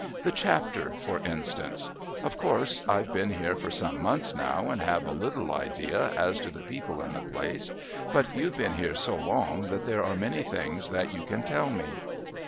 The Chapter, for instance. Of course, I've been here for some months now and have a little idea as to the people in the place, but you've been here so long that there are many things that you can tell me."